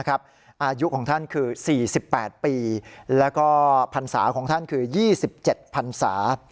อายุของท่านคือ๔๘ปีแล้วก็พรรษาของท่านคือ๒๗พันศา